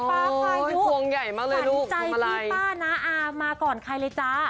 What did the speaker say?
แพ้ลูกมีควันใจที่ต้องหมั่งหนึ่งมาก่อนใครเลยจ๊ะ